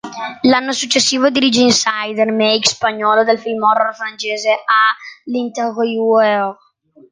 L'anno successivo dirige "Inside", remake spagnolo del film horror francese "À l'intérieur".